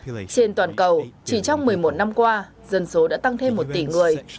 trên toàn cầu chỉ trong một mươi một năm qua dân số đã tăng thêm một tỷ người